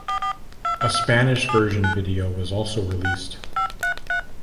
A Spanish version video was also released.